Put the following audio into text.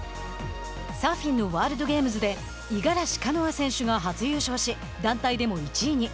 サーフィンのワールドゲームズで五十嵐カノア選手が初優勝し団体でも１位に。